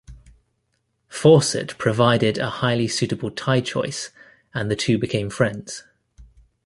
Fawcett provided a highly suitable tie choice, and the two became friends.